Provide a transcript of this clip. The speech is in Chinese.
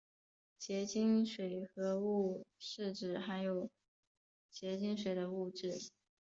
结晶水合物是指含有结晶水的物质。